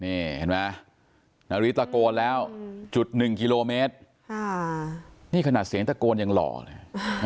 นี่เห็นไหมนาริตะโกนแล้วจุดหนึ่งกิโลเมตรค่ะนี่ขนาดเสียงตะโกนยังหล่อเลย